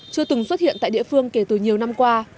chưa từng xuất hiện tại địa phương kể từ nhiều năm qua